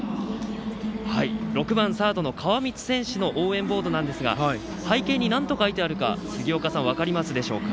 ６番サードの川満選手の応援ボードですが背景になんと書いてあるか杉岡さん、分かりますか。